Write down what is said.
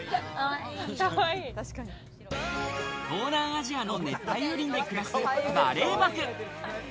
東南アジアの熱帯雨林で暮らすマレーバク。